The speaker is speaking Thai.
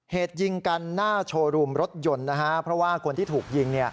เหตุยิงกันหน้าโชว์รูมรถยนต์นะฮะเพราะว่าคนที่ถูกยิง